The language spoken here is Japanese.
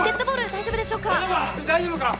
・大丈夫か？